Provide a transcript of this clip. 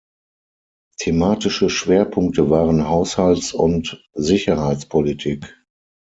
Thematische Schwerpunkte waren Haushalts- und Sicherheitspolitik.